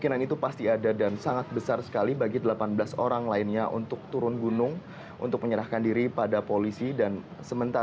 ini masih kawasan